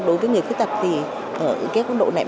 đối với người thiết đặt thì ở cái góc độ này